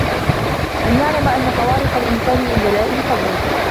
أَنْ يَعْلَمَ أَنَّ طَوَارِقَ الْإِنْسَانِ مِنْ دَلَائِلِ فَضْلِهِ